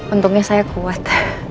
untungnya saya kuat